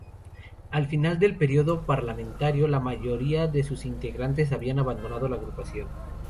Al final del período parlamentario la mayoría de sus integrantes habían abandonado la agrupación.